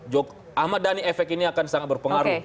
jadi ahmad dhani efek ini akan sangat berpengaruh